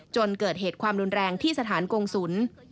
จนเกิดเหตุความรุนแรงที่สถานกงศุล